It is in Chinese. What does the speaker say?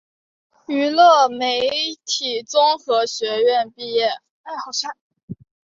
娱乐媒体综合学院毕业。